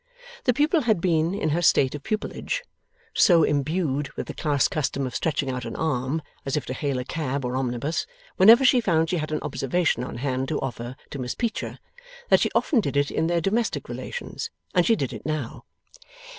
The pupil had been, in her state of pupilage, so imbued with the class custom of stretching out an arm, as if to hail a cab or omnibus, whenever she found she had an observation on hand to offer to Miss Peecher, that she often did it in their domestic relations; and she did it now.